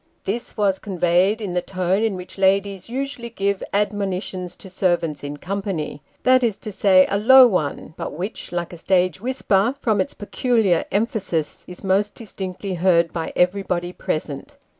This was conveyed in the tone in which ladies usually give admonitions to servants in company, that is to say, a low one ; but which, like a stage whisper, from its peculiar emphasis, is most distinctly heard by everybody present.